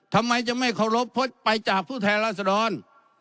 ทำไมจะไม่เคารพเพราะไปจากผู้แทนราษดร